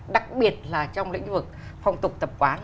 đặc biệt là trong lĩnh vực phong tục tập quán